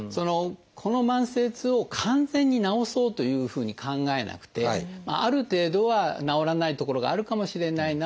この慢性痛を完全に治そうというふうに考えなくてある程度は治らないところがあるかもしれないなって。